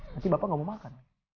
nanti bapak nggak mau makan